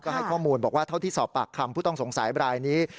ให้ข้อมูลบอกว่าเท่าที่สอบปากคำผู้ต้องสงสัยบรายนี้